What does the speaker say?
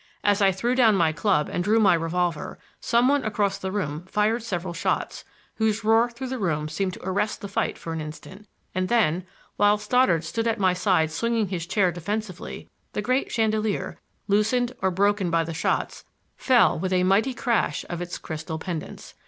As I threw down my club and drew my revolver, some one across the room fired several shots, whose roar through the room seemed to arrest the fight for an instant, and then, while Stoddard stood at my side swinging his chair defensively, the great chandelier, loosened or broken by the shots, fell with a mighty crash of its crystal pendants.